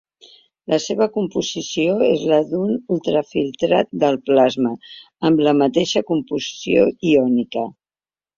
La seva composició és la d'un ultrafiltrat del plasma, amb la mateixa composició iònica.